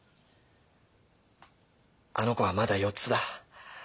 あの子はまだ４つだ。